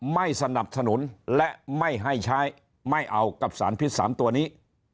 ไม่สนับสนุนและไม่ให้ใช้ไม่เอากับสารพิษ๓ตัวนี้